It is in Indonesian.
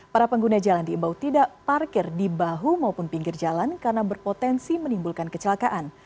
para pengguna jalan diimbau tidak parkir di bahu maupun pinggir jalan karena berpotensi menimbulkan kecelakaan